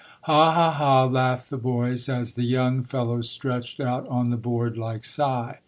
"Ha, ha, ha!" laughed the boys as the young fellow stretched out on the board like Si.